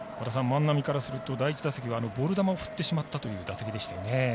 万波からすると第１打席はボール球を振ってしまった打席でしたよね。